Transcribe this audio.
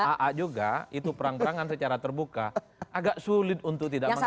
aa juga itu perang perangan secara terbuka agak sulit untuk tidak mengatakan